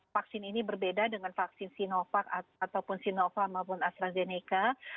vaksin ini berbeda dengan vaksin sinovac ataupun sinovac maupun astrazeneca